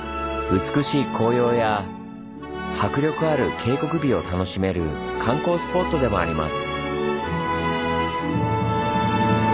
美しい紅葉や迫力ある渓谷美を楽しめる観光スポットでもあります。